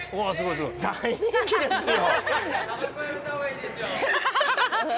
大人気ですよ。